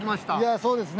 そうですね。